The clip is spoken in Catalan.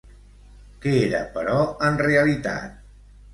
Què era, però, en realitat?